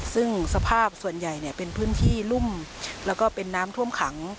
ซึ่งสภาพส่วนใหญ่เนี่ยเป็นพื้นที่รุ่มแล้วก็เป็นน้ำท่วมขัง